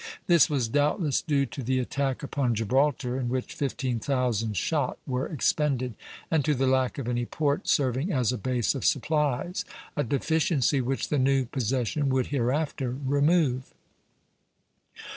This was doubtless due to the attack upon Gibraltar, in which fifteen thousand shot were expended, and to the lack of any port serving as a base of supplies, a deficiency which the new possession would hereafter remove.